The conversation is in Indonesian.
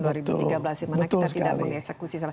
dimana kita tidak mengecekusi